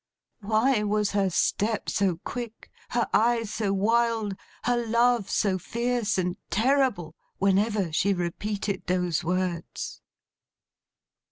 Why was her step so quick, her eye so wild, her love so fierce and terrible, whenever she repeated those words?